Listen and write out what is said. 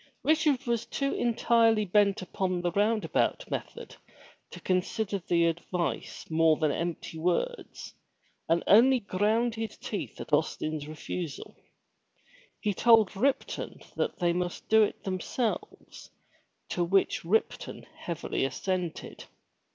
Richard was too entirely bent upon the roundabout method to consider the advice more than empty words, and only ground his teeth at Austin's refusal. He told Ripton that they must do it themselves to which Ripton heavily assented.